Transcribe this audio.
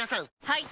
はい！